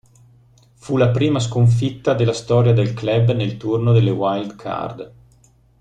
Fu la prima sconfitta della storia del club nel turno delle wild card.